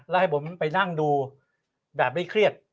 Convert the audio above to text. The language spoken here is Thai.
แล้วให้ผมไปนั่งดูแบบไม่เครียด